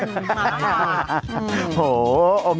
มาค่ะ